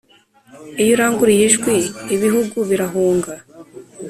Iyo uranguruye ijwi, ibihugu birahunga,